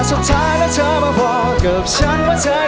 แต่สุดท้ายถ้าเธอมาบอกกับฉันว่าเธอได้ยอม